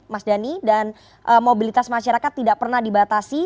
mas dhani dan mobilitas masyarakat tidak pernah dibatasi